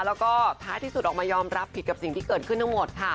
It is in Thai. แล้วก็ท้ายที่สุดออกมายอมรับผิดกับสิ่งที่เกิดขึ้นทั้งหมดค่ะ